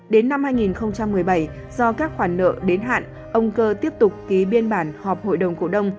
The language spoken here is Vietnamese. đến năm hai nghìn một mươi bảy do các khoản nợ đến hạn ông cơ tiếp tục ký biên bản họp hội đồng cổ đông